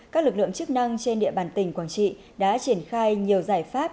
các lực lượng chức năng trên địa bàn tỉnh quảng trị đã triển khai nhiều giải pháp